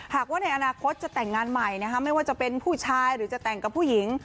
หากว่าในอนาคตจะแต่งงานใหม่นะคะไม่ว่าจะเป็นผู้ชายหรือจะแต่งกับผู้หญิง